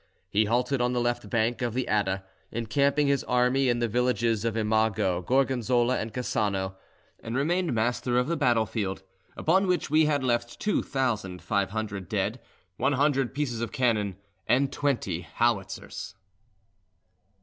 He halted on the left bank of the Adda, encamping his army in the villages of Imago, Gorgonzola, and Cassano, and remained master of the battlefield, upon which we had left two thousand five hundred dead, one hundred pieces of cannon, and twenty howitzers.